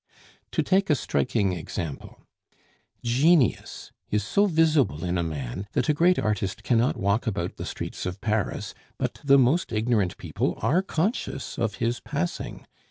To take a striking example. Genius is so visible in a man that a great artist cannot walk about the streets of Paris but the most ignorant people are conscious of his passing.